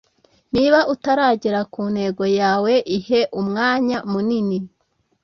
Niba utaragera ku ntego yawe, ihe umwanya munini